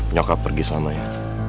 nyokap pergi selamanya